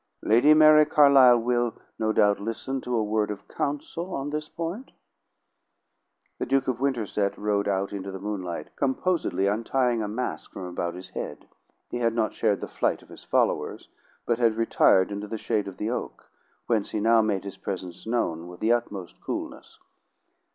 "Lady Mary Carlisle will, no doubt, listen to a word of counsel on this point." The Duke of Winterset rode out into the moonlight, composedly untieing a mask from about his head. He had not shared the flight of his followers, but had retired into the shade of the oak, whence he now made his presence known with the utmost coolness.